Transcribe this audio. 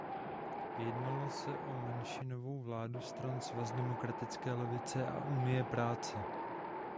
Jednalo se o menšinovou vládu stran Svaz demokratické levice a Unie práce.